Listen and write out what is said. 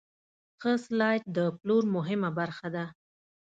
ښه سلیت د پلور مهمه برخه ده.